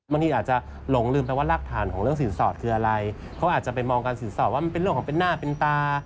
บางทีอาจจะหลงลืมไปว่ารากฐานของเรื่องสินสอดคืออะไรเขาอาจจะไปมองการสินสอดว่ามันเป็นเรื่องของเป็นหน้าเป็นตา